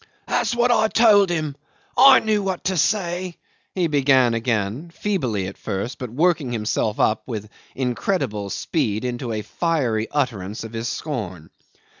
'"That's what I told him I knew what to say," he began again, feebly at first, but working himself up with incredible speed into a fiery utterance of his scorn.